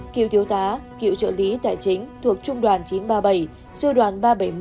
kiểu thiếu tá kiểu trợ lý tài chính thuộc trung đoàn chín trăm ba mươi bảy sư đoàn ba trăm bảy mươi